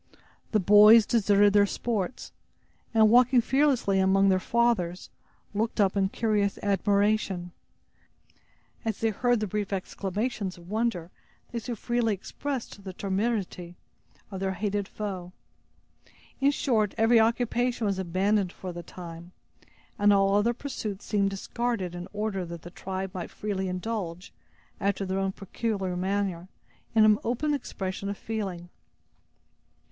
The boys deserted their sports, and walking fearlessly among their fathers, looked up in curious admiration, as they heard the brief exclamations of wonder they so freely expressed the temerity of their hated foe. In short, every occupation was abandoned for the time, and all other pursuits seemed discarded in order that the tribe might freely indulge, after their own peculiar manner, in an open expression of feeling.